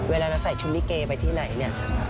เวลาเราใส่ชุดลิเกไปที่ไหนเนี่ย